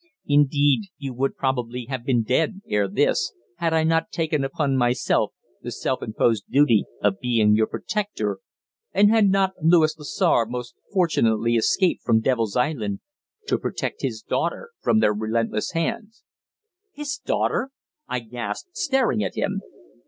Indeed, you would probably have been dead ere this, had I not taken upon myself the self imposed duty of being your protector, and had not Louis Lessar most fortunately escaped from Devil's Island to protect his daughter from their relentless hands." "His daughter!" I gasped, staring at him.